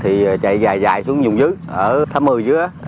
thì chạy dài dài xuống dùng dưới ở thăm mười dưới á